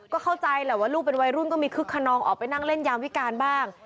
ก็เข้าใจแหละว่าลูกเป็นวัยรุ่นก็มีคึกขนองออกไปนั่งเล่นยามวิการบ้าง